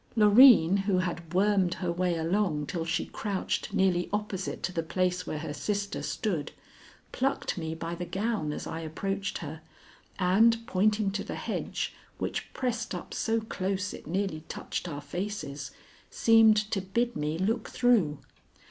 Loreen, who had wormed her way along till she crouched nearly opposite to the place where her sister stood, plucked me by the gown as I approached her, and, pointing to the hedge, which pressed up so close it nearly touched our faces, seemed to bid me look through.